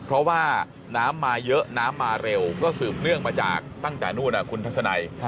เพราะว่าน้ำมาเยอะน้ำมาเร็วก็สืบเนื่องมาจากตั้งแต่นู่นคุณทัศนัย